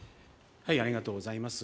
ありがとうございます。